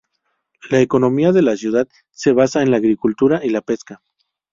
La economía de la ciudad se basa en la agricultura y la pesca.